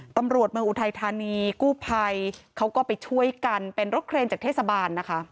ตำรวจเมืองอุทัยธานีกู้ภัยเขาก็ไปช่วยกันเป็นรถเครนจากเทศบาลนะคะ